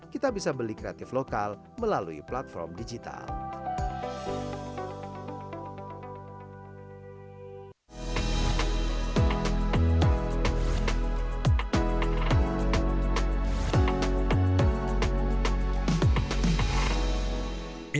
kita bisa beli kreatif lokal melalui platform digital